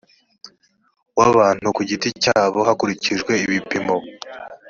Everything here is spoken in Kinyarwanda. w abantu ku giti cyabo hakurikijwe ibipimo